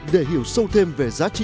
để hiểu sâu thêm về giá trị